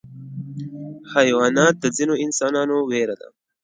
حیوانات د ځینو انسانانو ویره ده.